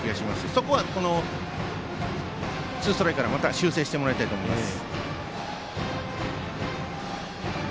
そこはツーストライクからまた修正してもらいたいと思います。